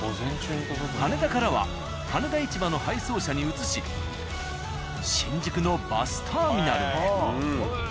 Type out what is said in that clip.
羽田からは「羽田市場」の配送車に移し新宿のバスターミナルへ。